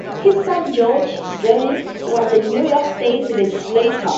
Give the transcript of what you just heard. His son, George Geddes, was a New York State legislator.